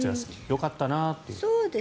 よかったなっていう。